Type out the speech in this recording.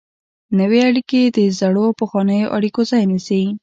نوې اړیکې د زړو او پخوانیو اړیکو ځای نیسي.